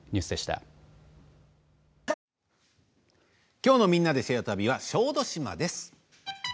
きょうの「みんなでシェア旅」は小豆島です。